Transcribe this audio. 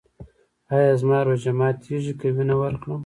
ایا زما روژه ماتیږي که وینه ورکړم؟